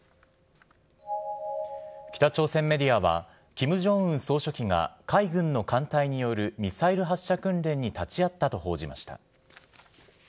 北朝鮮メディアは、キム・ジョンウン総書記が海軍の艦隊によるミサイル発射訓練に立ち会ったと報じました。